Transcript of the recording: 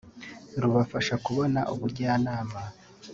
rubafasha kubona ubujyanama